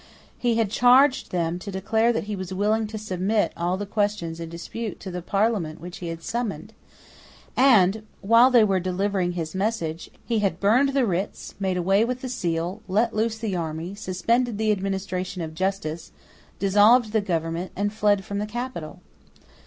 He had charged them to declare that he was willing to submit all the questions in dispute to the Parliament which he had summoned; and, while they were delivering his message, he had burned the writs, made away with the seal, let loose the army, suspended the administration of justice, dissolved the government, and fled from the capital.